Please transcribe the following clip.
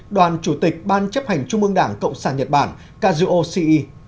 đoàn chủ tịch ban chấp hành trung mương đảng cộng sản nhật bản kzoce